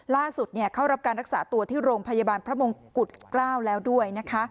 ล่าสุดเข้ารับการรักษาตัวที่โรงพยาบาลพระมงกุฎ๙แล้วด้วยนะคะ